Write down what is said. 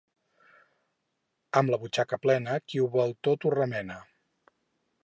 Amb la butxaca plena, qui vol tot ho remena.